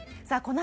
さあ